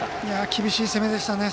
厳しい攻めでしたね。